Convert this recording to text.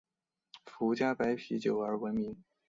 福佳白啤酒而闻名。